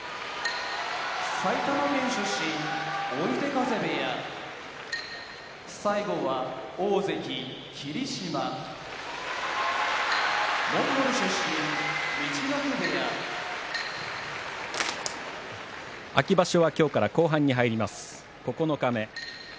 埼玉県出身追手風部屋大関・霧島モンゴル出身陸奥部屋秋場所は今日から後半に入ります、九日目。